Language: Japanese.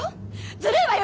ずるいわよ